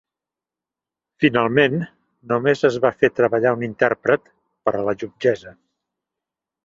Finalment, només es va fer treballar un intèrpret, per a la jutgessa.